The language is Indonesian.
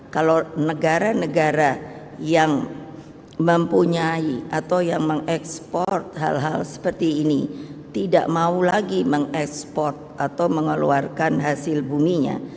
kalau negara negara yang mempunyai atau yang mengekspor hal hal seperti ini tidak mau lagi mengekspor atau mengeluarkan hasil buminya